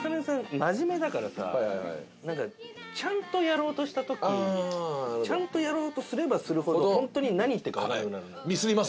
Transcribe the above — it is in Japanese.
真面目だからさちゃんとやろうとした時ちゃんとやろうとすればするほど本当に何言ってるかわかんなくなるのよ。